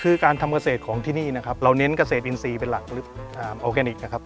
คือการทำเกษตรของที่นี่นะครับเราเน้นเกษตรอินทรีย์เป็นหลักออร์แกนิคนะครับ